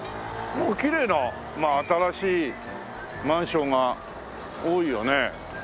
もうきれいな新しいマンションが多いよね。